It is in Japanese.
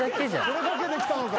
それだけで来たのか。